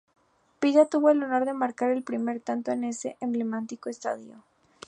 Pita tuvo el honor de marcar el primer tanto en este emblemático estadio.